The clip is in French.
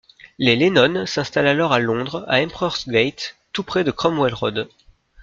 Les Lennon s'installent alors à Londres, à Emperor's Gate, tout près de Cromwell Road.